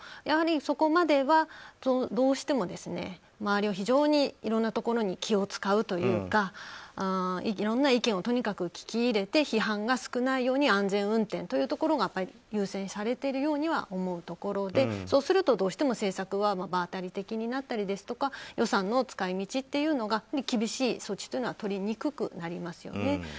やはりそこまではどうしても周りを非常にいろんなところに気を使うというかいろんな意見をとにかく聞き入れて批判が少ないように安全運転というところが優先されているようには思うところでそうするとどうしても政策は場当たり的になったりですとか予算の使い道というのが厳しい措置というのはとりにくくなりますよね。